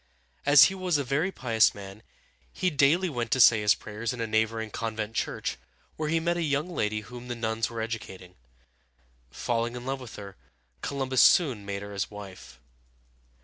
As he was a very pious man, he daily went to say his prayers in a neighboring convent church, where he met a young lady whom the nuns were educating. Falling in love with her, Columbus soon made her his wife.